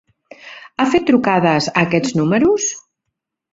Ha fet trucades a aquests números?